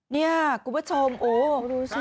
นี่คุณผู้ชมโอ้โฮ